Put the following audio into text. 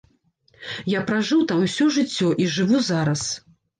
Я пражыў там усё жыццё і жыву зараз.